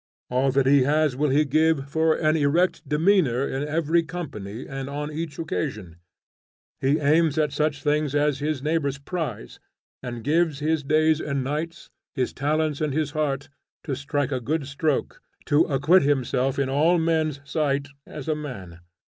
All that he has will he give for an erect demeanor in every company and on each occasion. He aims at such things as his neighbors prize, and gives his days and nights, his talents and his heart, to strike a good stroke, to acquit himself in all men's sight as a man.